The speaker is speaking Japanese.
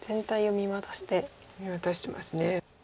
見渡してます。